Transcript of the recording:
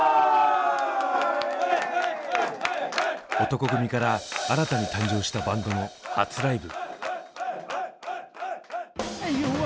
男闘呼組から新たに誕生したバンドの初ライブ。